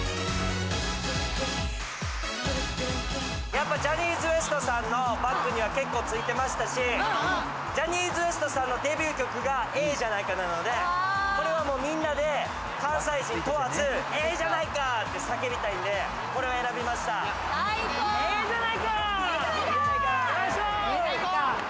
やっぱジャニーズＷＥＳＴさんのバックについてましたし、ジャニーズＷＥＳＴさんのデビュー曲が『ええじゃないか』なので、これはもう、みんなで関西人問わず、ええじゃないかって叫びたいええじゃないか！